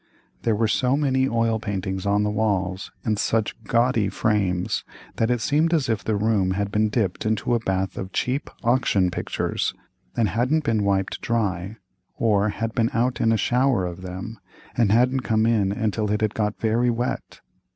There were so many oil paintings on the walls, in such gaudy frames, that it seemed as if the room had been dipped into a bath of cheap auction pictures, and hadn't been wiped dry, or had been out in a shower of them, and hadn't come in until it had got very wet.